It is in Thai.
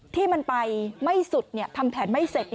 ที่มันไปไม่สุดทำแผนไม่เสร็จ